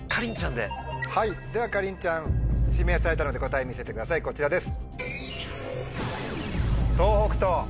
ではかりんちゃん指名されたので答え見せてくださいこちらです。